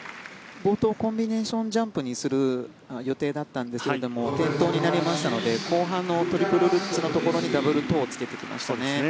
冒頭コンビネーションジャンプにする予定だったんですが転倒になりましたので後半のトリプルルッツのところにダブルトウをつけてきましたね。